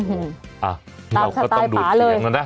อื้อหือตามสไตล์ป๋าเลย